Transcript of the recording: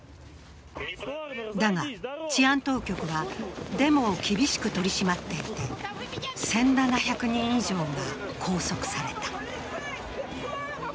だが、治安当局はデモを厳しく取り締まっていて、１７００人以上が拘束された。